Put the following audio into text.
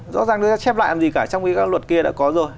rõ ràng chép lại làm gì cả trong các luật kia đã có rồi